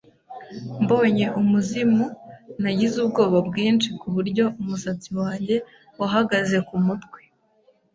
Mbonye umuzimu, nagize ubwoba bwinshi kuburyo umusatsi wanjye wahagaze kumutwe.